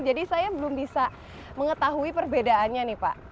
jadi saya belum bisa mengetahui perbedaannya nih pak